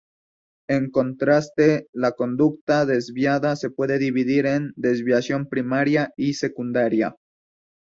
En contraste, la conducta desviada se puede dividir en desviación primaria y secundaria.